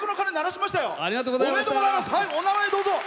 お名前どうぞ。